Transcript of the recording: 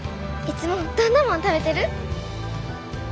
いつもどんなもの食べてる？